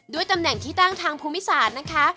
ตำแหน่งที่ตั้งทางภูมิศาสตร์นะคะ